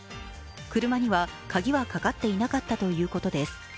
車には鍵はかかっていなかったということです。